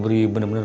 tidak apa apa pak